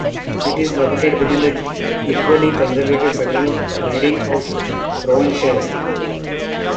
It is located within the equally conservative federal riding of Provencher.